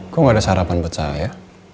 kok gak ada sarapan buat saya